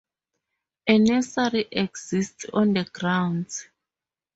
A nursery exists on the grounds.